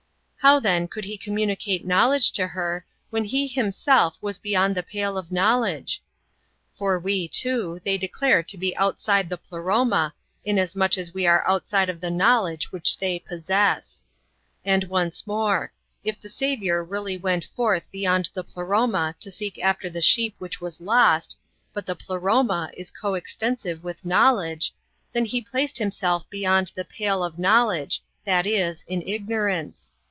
How then could He communi cate knowledge to her, when He Himself was beyond the pale of knowledge ? For we, too, they declare to be outside the Pleroma, inasmuch as we are outside of the knowledore which they possess. And once more : If the Saviour really went forth beyond the Pleroma to seek after the sheep which w^as lost, but the Pleroma is [co extensive with] knowledge, then He placed Himself beyond the pale of knowledge, that is, in i^cnorance.